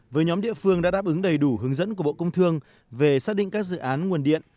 với nhóm địa phương đã đáp ứng đầy đủ hướng dẫn của bộ công thương về xác định các dự án nguồn điện